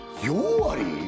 ４割！？